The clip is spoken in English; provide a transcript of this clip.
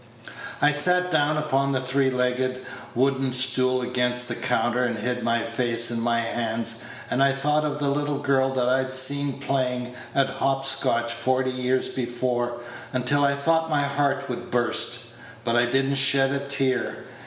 I sat down upon the three legged wooden stool against the counter, and hid my face in my hands; and I thought of the little girl that I'd seen playin' at hopscotch forty years before, until I thought my heart would burst; but I did n't shed a tear.